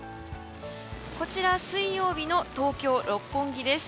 こちら水曜日の東京・六本木です。